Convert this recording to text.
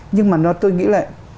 nhưng mà tôi nghĩ là